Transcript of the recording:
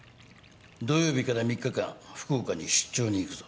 土曜日から３日間福岡に出張に行くぞ。